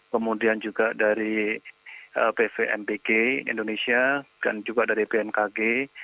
kemudian juga dari bvmpg indonesia dan juga dari bnkg